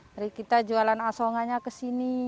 jadi kita jualan asongannya ke sini